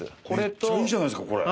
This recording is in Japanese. めっちゃいいじゃないですかこれ。